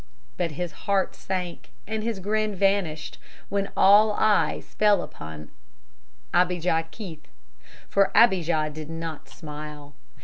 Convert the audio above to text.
But his heart sank and his grin vanished when his eyes fell upon Abijah Keith. For Abijah did not smile.